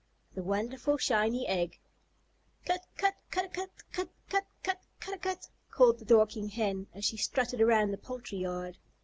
THE WONDERFUL SHINY EGG "CUT CUT CA DAH CUT! Cut cut cut ca dah cut!" called the Dorking Hen, as she strutted around the poultry yard.